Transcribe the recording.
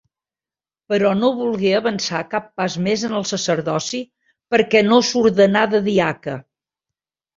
Però no volgué avançar cap pas més en el sacerdoci, perquè no s'ordenà de diaca.